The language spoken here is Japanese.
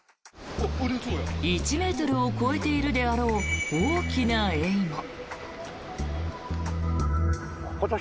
１ｍを超えているであろう大きなエイも。